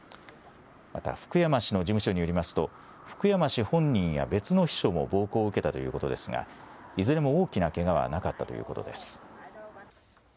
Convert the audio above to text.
また福山氏の事務所によりますと福山氏本人や別の秘書も暴行を受けたということですがいずれも大きなけがはなかったということです。